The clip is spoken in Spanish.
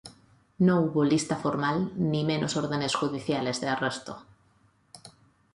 No hubo lista formal ni menos órdenes judiciales de arresto.